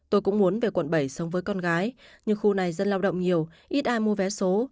tôi cũng muốn về quận bảy sống với con gái nhưng khu này dân lao động nhiều ít ai mua vé số